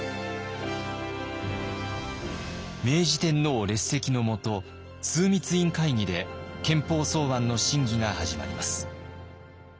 明治天皇列席の下枢密院会議で憲法草案の審議が始まります。